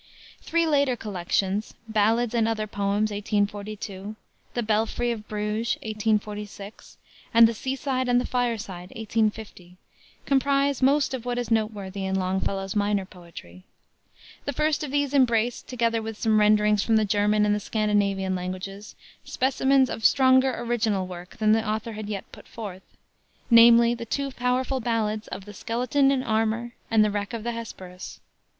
Three later collections, Ballads and Other Poems, 1842; the Belfry of Bruges, 1846; and the Seaside and the Fireside, 1850, comprise most of what is noteworthy in Longfellow's minor poetry. The first of these embraced, together with some renderings from the German and the Scandinavian languages, specimens of stronger original work than the author had yet put forth; namely, the two powerful ballads of the Skeleton in Armor and the Wreck of the Hesperus.